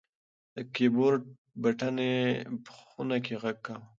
د کیبورډ بټنې په خونه کې غږ کاوه.